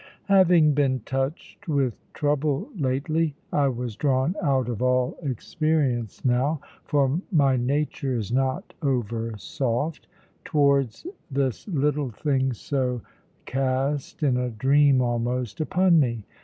Having been touched with trouble lately, I was drawn out of all experience now (for my nature is not over soft) towards this little thing, so cast, in a dream almost, upon me.